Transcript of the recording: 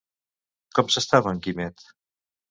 Com s'estava en Quimet?